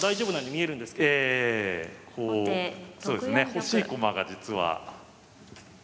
欲しい駒が実は。